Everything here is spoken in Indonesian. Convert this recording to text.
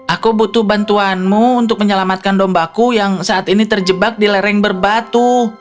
aku butuh bantuanmu untuk menyelamatkan dombaku yang saat ini terjebak di lereng berbatu